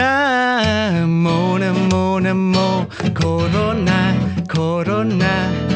นาโมนาโมนาโมโคโรนาโคโรนา